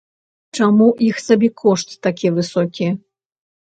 Чаму іх сабекошт такі высокі?